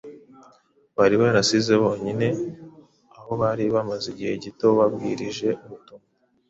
bari barasize bonyine aho bari bamaze igihe gito babwirije ubutumwa.